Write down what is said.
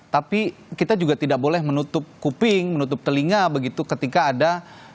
tapi kita juga tidak boleh menutup kuping menutup telinga begitu ketika ada